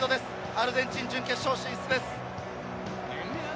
アルゼンチン準決勝進出です。